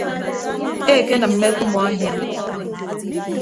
Ekenịmme ke umuahia.